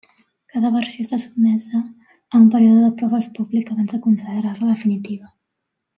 Cada versió està sotmesa a un període de proves públic abans de considerar-la definitiva.